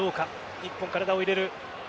日本、体を入れる。